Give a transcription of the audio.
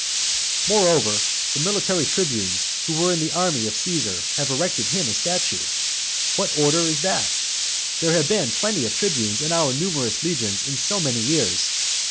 Moreover, the military tribunes who were in the army of Caesar have erected him a statue. What order is that? There have been plenty of tribunes in our numerous legions in so many years.